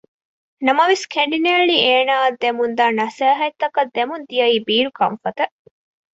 ނަމަވެސް ކެނޑިނޭޅި އޭނާއަށް ދެމުންދާ ނަސޭހަތްތަކަށް ދެމުންދިޔައީ ބީރު ކަންފަތެއް